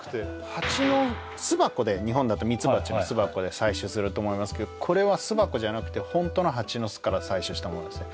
蜂の巣箱で日本だと蜜蜂の巣箱で採取すると思いますけどこれは巣箱じゃなくてホントの蜂の巣から採取したものですね